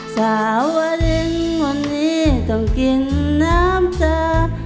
สาววรินวันนี้ต้องกินน้ำจาก